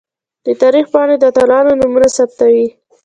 د تاریخ پاڼې د اتلانو نومونه ثبتوي.